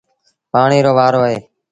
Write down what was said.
پآڻيٚ رو وآرو اهي۔